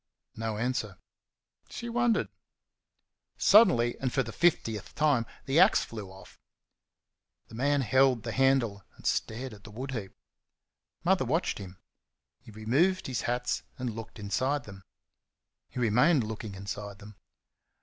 No answer. She wondered. Suddenly, and for the fiftieth time, the axe flew off. The man held the handle and stared at the woodheap. Mother watched him. He removed his hats, and looked inside them. He remained looking inside them.